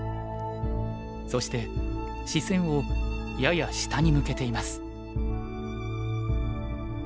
そして視線をやや下に向けています。